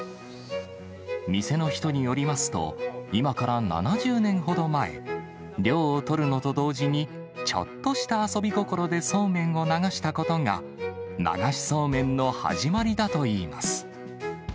店の人によりますと、今から７０年ほど前、涼をとるのと同時に、ちょっとした遊び心でそうめんを流したことが、流しそうめんの始まりだといいます。